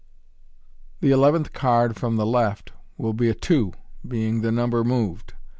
The eleventh card from the left will be a two, being the number moved.